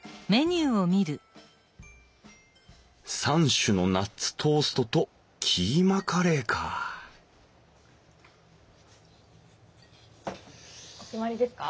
３種のナッツトーストとキーマカレーかお決まりですか？